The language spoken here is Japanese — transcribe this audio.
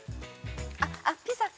◆あっ、ピザか。